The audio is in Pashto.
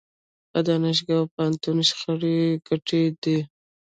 په دانشګاه او پوهنتون شخړه بې ګټې ده.